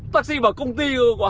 taxi vào công ty của hãng báo giá